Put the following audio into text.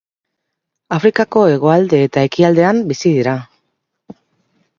Afrikako hegoalde eta ekialdean bizi dira.